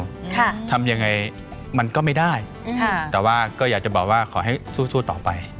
ค่ะทำยังไงมันก็ไม่ได้อืมค่ะแต่ว่าก็อยากจะบอกว่าขอให้สู้สู้ต่อไป